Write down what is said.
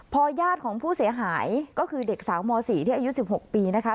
พอญาติของผู้เสียหายก็คือเด็กสาวม๔ที่อายุ๑๖ปีนะคะ